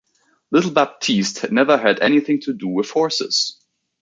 Little Baptiste had never had anything to do with horses.